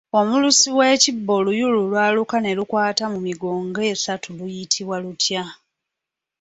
Omulusi w'ekibbo oluyulu lwaluka ne lukwata mu migo ng’esatu luyitibwa lutya?